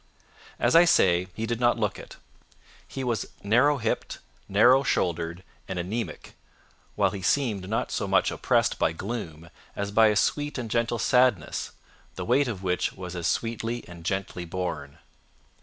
As I say, he did not look it. He was narrow hipped, narrow shouldered, and anaemic, while he seemed not so much oppressed by gloom as by a sweet and gentle sadness, the weight of which was as sweetly and gently borne.